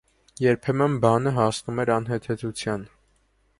Երբեմն բանը հասնում էր անհեթեթության։